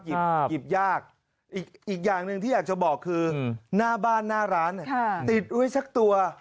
หยิบยากอีกอย่างหนึ่งที่อยากจะบอกคือหน้าบ้านหน้าร้านติดไว้สักตัว